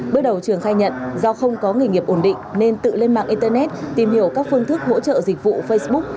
bước đầu trường khai nhận do không có nghề nghiệp ổn định nên tự lên mạng internet tìm hiểu các phương thức hỗ trợ dịch vụ facebook